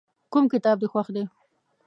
کوم کتاب دې خوښ دی؟